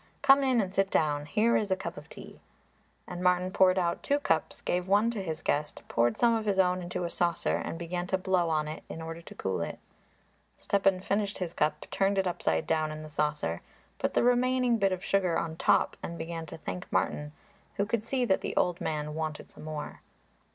Come in and sit down. Here is a cup of tea." And Martin poured out two cups, gave one to his guest, poured some of his own into a saucer and began to blow on it in order to cool it. Stepan finished his cup, turned it upside down in the saucer, put the remaining bit of sugar on top and began to thank Martin, who could see that the old man wanted some more.